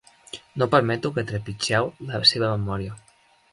No permeto que trepitgeu la seva memòria.